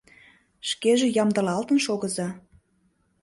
Шкеже ямдылалтын шогыза!